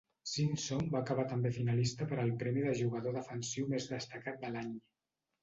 Simpson va acabar també finalista per al premi de jugador defensiu més destacat de l'any.